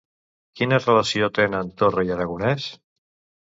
Quina relació tenen Torra i Aragonès?